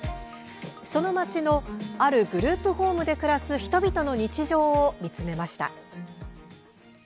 その町のあるグループホームで暮らす人々の日常を見つめました。